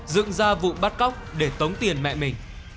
dựng ra vụ bắt cóc để tống tiền mẹ mình